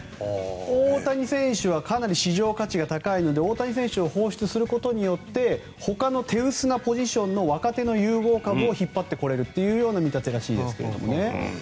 大谷選手はかなり市場価値が高いので大谷選手を放出することによってほかの手薄なポジションの若手の有望株を引っ張ってこれるというような見立てらしいですけれどもね。